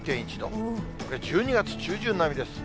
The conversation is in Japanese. これ、１２月中旬並みです。